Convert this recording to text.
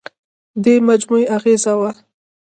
دې مجموعې اغېزه وه.